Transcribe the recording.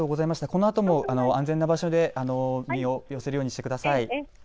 このあとも安全な場所で身を寄せるようにしてください。